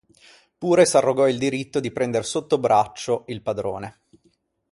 Pure s'arrogò il dritto di prender sotto braccio il padrone.